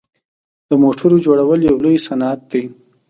د موټرو جوړول یو لوی صنعت دی.